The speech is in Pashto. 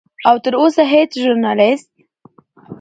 او تر اوسه هیڅ ژورنالست